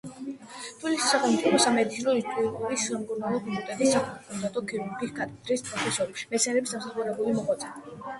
თბილისის სახელმწიფო სამედიცინო ინსტიტუტის სამკურნალო ფაკულტეტის საფაკულტეტო ქირურგიის კათედრის პროფესორი, მეცნიერების დამსახურებული მოღვაწე.